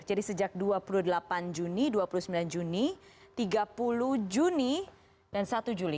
jadi sejak dua puluh delapan juni dua puluh sembilan juni tiga puluh juni dan satu juli